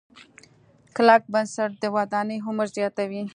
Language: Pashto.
کلک بنسټ د ودانۍ عمر زیاتوي.